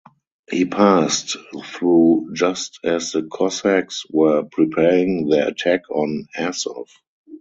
He passed through just as the Cossacks were preparing their attack on Azov.